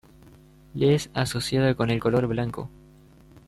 Le es asociada con el color blanco.